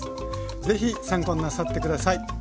ぜひ参考になさって下さい。